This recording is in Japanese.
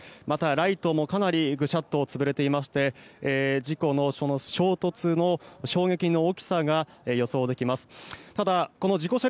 ライトもぐしゃっと潰れていまして事故の衝突の、衝撃の大きさが予想できます。